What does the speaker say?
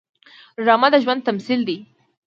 ډرامه د ژوند تمثیل دی